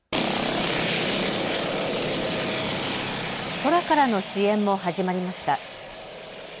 空からの支援も始まりました。